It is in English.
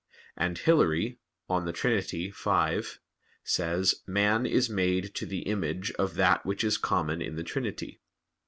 And Hilary (De Trin. v) says: "Man is made to the image of that which is common in the Trinity."